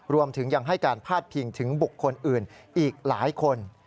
รวมถึงยังให้การพาดพิงถึงบุคคลอื่นอีกหลายคน